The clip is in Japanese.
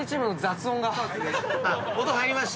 音入りました？